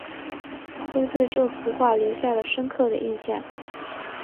都对这幅画留下了深刻的印象